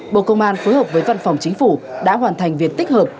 bộ công an phối hợp với văn phòng chính phủ đã hoàn thành việc tích hợp